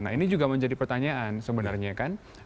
nah ini juga menjadi pertanyaan sebenarnya kan